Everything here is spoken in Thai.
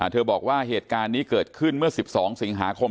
บอกว่าเหตุการณ์นี้เกิดขึ้นเมื่อ๑๒สิงหาคม